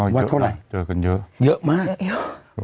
อืมก็เยอะนะเจอกันเยอะเยอะมากเยอะ